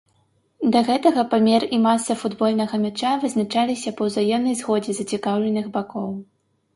Да гэтага памер і маса футбольнага мяча вызначаліся па ўзаемнай згодзе зацікаўленых бакоў.